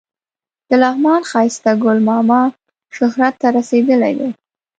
د لغمان ښایسته ګل ماما شهرت ته رسېدلی دی.